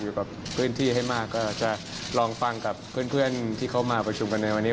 อยู่กับพื้นที่ให้มากก็จะลองฟังกับเพื่อนที่เขามาประชุมกันในวันนี้